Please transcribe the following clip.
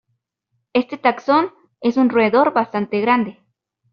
Este taxón es un roedor bastante grande.